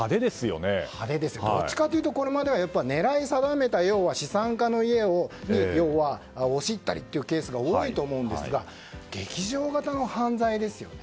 どっちかというと狙い定めたような資産家の家に押し入ったりというケースが多いと思うんですが劇場型の犯罪ですよね。